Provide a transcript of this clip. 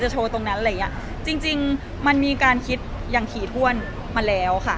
จริงมันมีการคิดอย่างถี่ถ้วนมาแล้วค่ะ